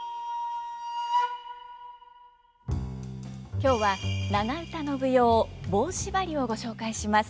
今日は長唄の舞踊「棒しばり」をご紹介します。